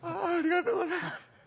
ありがとうございます。